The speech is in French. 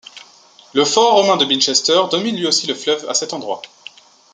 Le fort romain de Binchester domine lui aussi le fleuve à cet endroit.